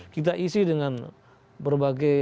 kita isi dengan berbagai